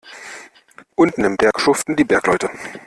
Unten im Berg schuften die Bergleute.